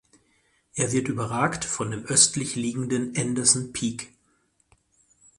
Er wird überragt von dem östlich liegenden Anderson Peak.